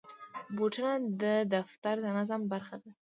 بوټونه د دفتر د نظم برخه ده.